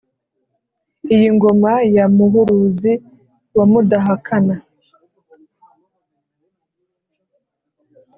iyi ngoma ya muhuruzi wa mudahakana,